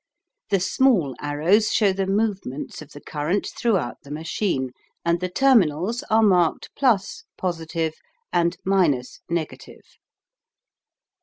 The small arrows show the movements of the current throughout the machine, and the terminals are marked (+) positive and () negative.